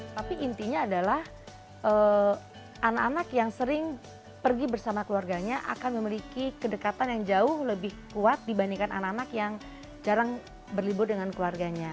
tapi intinya adalah anak anak yang sering pergi bersama keluarganya akan memiliki kedekatan yang jauh lebih kuat dibandingkan anak anak yang jarang berlibur dengan keluarganya